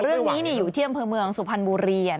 เรื่องนี้อยู่เที่ยงเพือนเมืองสุภัณฑ์บุรี